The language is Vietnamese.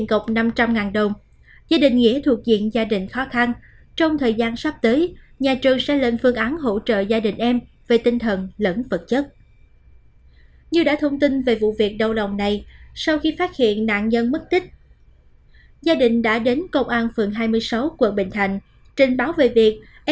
cảm ơn các bạn đã theo dõi